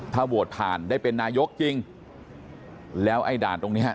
ถ้าโหวตผ่านได้เป็นนายกจริงแล้วไอ้ด่านตรงเนี้ย